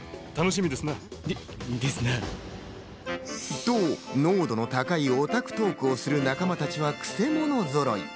と、濃度の高いオタクトークをする仲間たちは、クセ者ぞろい！